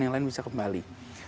yang lain bisa kembali